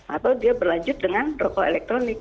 atau dia berlanjut dengan rokok elektronik